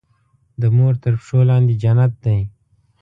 د مور تر پښو لاندې جنت دی.